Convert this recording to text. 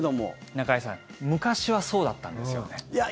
中居さん昔はそうだったんですよね。